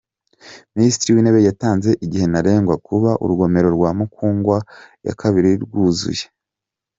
Minisitiri w’Intebe yatanze igihe ntarengwa kuba urugomero rwa Mukungwa yakabiri rwuzuye